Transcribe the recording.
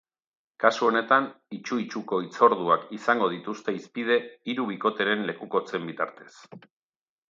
Kasu honetan, itsu-itsuko hitzorduak izango dituzte hizpide, hiru bikoteren lekukotzen bitartez.